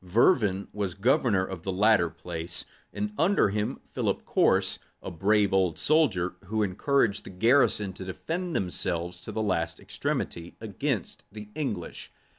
Vervin was governor of the latter place, and under him Philip Corse, a brave old soldier, who encouraged the garrison to defend themselves to the last extremity against the English.